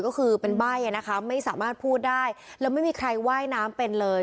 ก็คือเป็นใบ้อ่ะนะคะไม่สามารถพูดได้แล้วไม่มีใครว่ายน้ำเป็นเลย